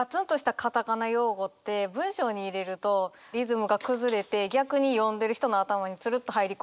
カタカナ用語って文章に入れるとリズムが崩れて逆に読んでる人の頭につるっと入り込んできたりするから。